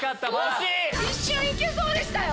一瞬行けそうでしたよ。